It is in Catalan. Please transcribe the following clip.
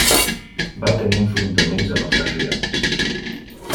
Va tenir enfrontaments amb els arrians.